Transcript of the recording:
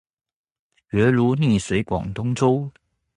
學如逆水廣東粥